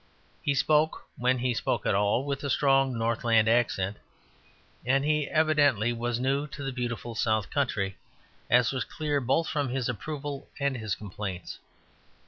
He spoke (when he spoke at all) with a strong northland accent; and he evidently was new to the beautiful south country, as was clear both from his approval and his complaints.